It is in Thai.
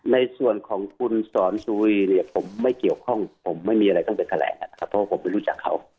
ในส่วนของคุณสอนสุรีเนี่ยผมไม่เกี่ยวข้องผมไม่มีอะไรต้องไปแถลงนะครับเพราะว่าผมไปรู้จักเขา